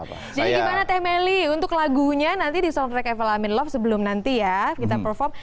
jadi gimana teh meli untuk lagunya nanti di soundtrack evel amin love sebelum nanti ya kita perform